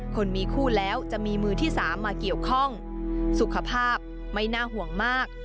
คนมีคู่แล้วจะมีมือที่สามมาเกี่ยวข้องสุขภาพไม่น่าห่วงมาก